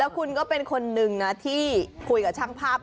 แล้วคุณก็เป็นคนหนึ่งที่คุยกับช่างภาพ